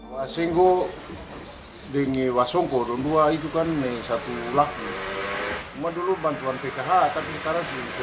wasenggo denge wasongko rondua itu kan nih satu laki cuma dulu bantuan pkh tapi karena sih bisa